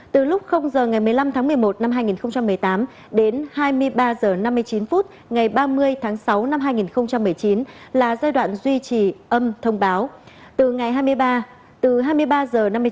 từ lúc h ngày một mươi bảy tháng chín các nhà mạng sẽ tiếp tục chuyển thuê bao một mươi một số về một mươi số